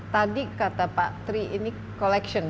tadi kata pak tri ini collection